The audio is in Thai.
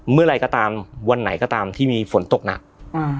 เมื่อไหร่ก็ตามวันไหนก็ตามที่มีฝนตกหนักอ่า